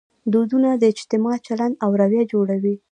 دودونه د اجتماع چلند او رویه جوړوي.